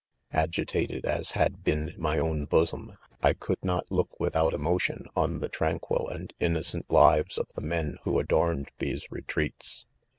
' 6 Agitated as ' Md been' my own bosom, i could not look without emotion on the tran quil and innocent lives of the men who adorn ed these retreats.